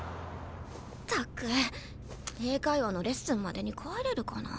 ったく英会話のレッスンまでに帰れるかな。